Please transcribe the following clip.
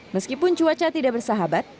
meskipun cuaca tidak bersahabat